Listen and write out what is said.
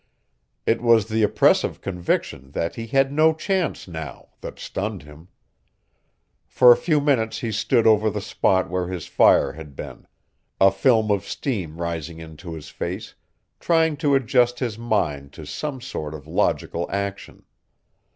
It was the oppressive conviction that he had no chance now that stunned him. For a few minutes he stood over the spot where his fire had been, a film of steam rising into his face, trying to adjust his mind to some sort of logical action.